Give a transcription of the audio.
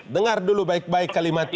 dengar dulu baik baik kalimatku